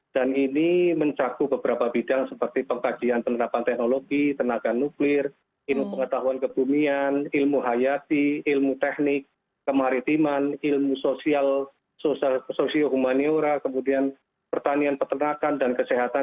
dan ini mencakup beberapa bidang seperti pengkajian penerapan teknologi tenaga nuklir ilmu pengetahuan kebumian ilmu hayati ilmu teknik kemaritiman ilmu sosial sosio humaniora kemudian pertanian peternakan dan kesehatan